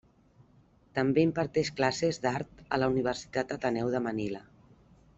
També imparteix classes d'art a la Universitat Ateneu de Manila.